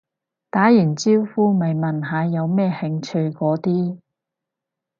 打完招呼咪問下有咩興趣嗰啲